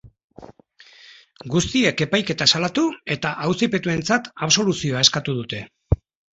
Guztiek epaiketa salatu eta auzipetuentzat absoluzioa eskatu dute.